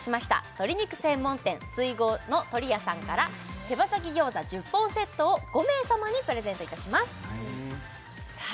鶏肉専門店水郷のとりやさんから手羽先餃子１０本セットを５名様にプレゼントいたしますさあ